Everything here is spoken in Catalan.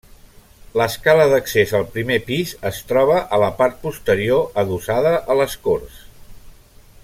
L'escala d'accés al primer pis es troba a la part posterior, adossada a les corts.